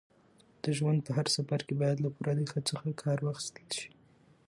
د ژوند په هر سفر کې باید له پوره دقت څخه کار واخیستل شي.